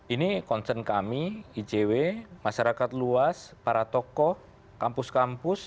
ini concern kami icw masyarakat luas para tokoh kampus kampus